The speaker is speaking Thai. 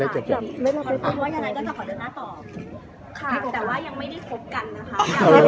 แต่มันจะไม่มีสิ้นหมายปกติ